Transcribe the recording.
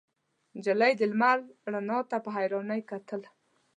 نجلۍ د لمر رڼا ته په حيرانۍ کتل.